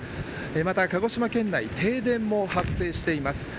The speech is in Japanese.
また、鹿児島県内停電も発生しています。